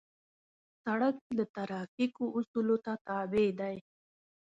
سړک د ترافیکو اصولو ته تابع دی.